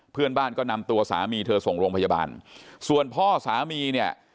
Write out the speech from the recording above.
เพื่อนบ้านก็นำตัวสามีเธอส่งโรงพยาบาลส่วนพ่อสามีเนี่ย